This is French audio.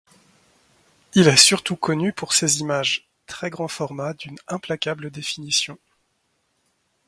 Il est surtout connu pour ses images très grands formats d'une implacable définition.